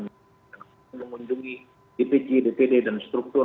yang mengunjungi dpc dpd dan struktur